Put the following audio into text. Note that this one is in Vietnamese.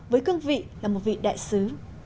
với cương vị là một vị đại sứ